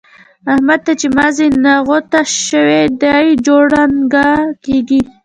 احمد ته چې مازي نغوته شوي؛ دی جوړنګان کاږي.